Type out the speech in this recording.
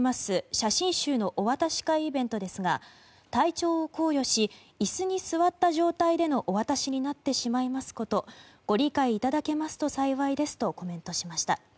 写真集のお渡し会イベントですが体調を考慮し椅子に座った状態でのお渡しになってしまいますことご理解いただけますと幸いですとコメントしました。